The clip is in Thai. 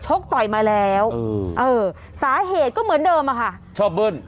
ต่อยมาแล้วสาเหตุก็เหมือนเดิมอะค่ะชอบเบิ้ล